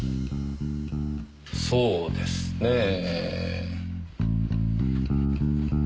そうですねえ。